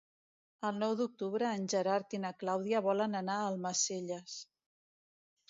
El nou d'octubre en Gerard i na Clàudia volen anar a Almacelles.